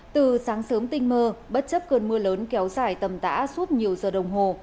từ sáng sớm tinh mơ bất chấp cơn mưa lớn kéo dài tầm tã suốt nhiều giờ đồng hồ